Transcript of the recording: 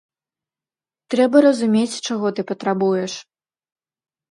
Трэба разумець, чаго ты патрабуеш.